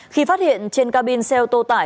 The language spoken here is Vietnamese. khi phát hiện trên cabin xe ô tô tải